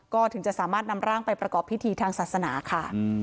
ก็ถึงจะสามารถนำร่างไปประกอบพิธีทางศาสนาค่ะ